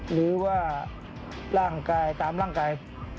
หรือว่าร่างกายตามร่างกาย